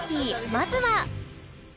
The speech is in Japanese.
まずは